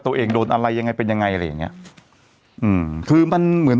ตัวเองโดนอะไรยังไงเป็นยังไงอะไรอย่างเงี้ยอืมคือมันเหมือน